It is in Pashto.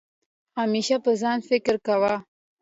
همېشه په ځان فکر کوه